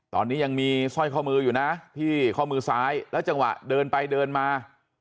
ตอนนี้ยังมีสร้อยข้อมืออยู่นะที่ข้อมือซ้ายแล้วจังหวะเดินไปเดินมา